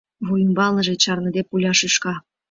Вуй ӱмбалныже чарныде пуля шӱшка.